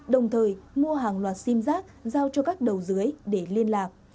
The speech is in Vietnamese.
đồng thời mua hàng loạt sim giác giao cho các đầu dưới để liên lạc